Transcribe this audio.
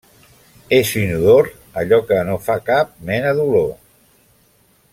És inodor allò que no fa cap mena d'olor.